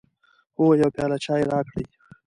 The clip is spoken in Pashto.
هو، یو پیاله چای راکړئ